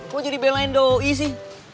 kok jadi belain doi sih